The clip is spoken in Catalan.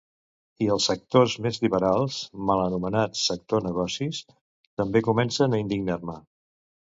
I els sectors més liberals —mal anomenats sector 'negocis'— també comencen a indignar-me .